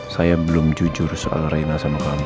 saya belum jujur soal reina sama kamu